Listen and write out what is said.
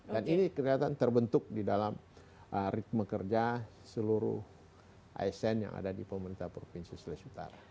ini kelihatan terbentuk di dalam ritme kerja seluruh asn yang ada di pemerintah provinsi sulawesi utara